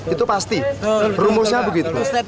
itu pasti rumusnya begitu